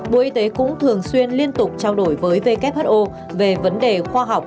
bộ y tế cũng thường xuyên liên tục trao đổi với who về vấn đề khoa học